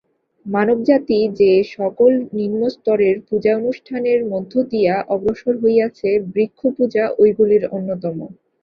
মানবজাতি যে-সকল নিম্নস্তরের পূজানুষ্ঠানের মধ্য দিয়া অগ্রসর হইয়াছে, বৃক্ষ-পূজা ঐগুলির অন্যতম।